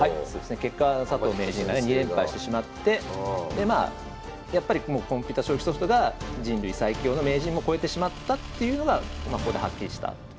結果佐藤名人がね２連敗してしまってやっぱりコンピュータ将棋ソフトが人類最強の名人も超えてしまったというのがここではっきりしたということになりますね。